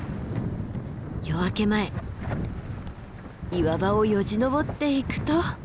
夜明け前岩場をよじ登っていくと。